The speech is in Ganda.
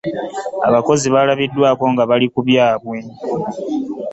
Abakozi balabiddwaako nga bali ku byabwe.